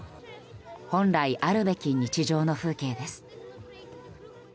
本来あるべき日常の風景です。